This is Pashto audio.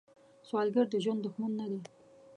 سوالګر د ژوند دښمن نه دی